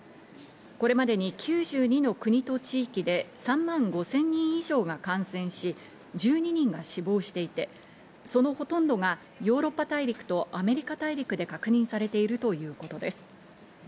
これまでに９２の国と地域で３万５０００人以上が感染し、１２人が死亡していて、そのほとんどがヨーロッパ大陸とアメリカ大陸で確認されているということです。